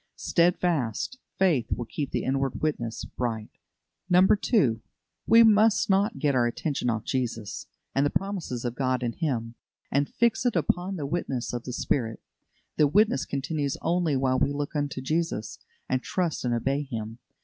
Steadfast faith will keep the inward witness bright. 2. We must not get our attention off Jesus, and the promises of God in Him, and fix it upon the witness of the Spirit. The witness continues only while we look unto Jesus, and trust and obey Him.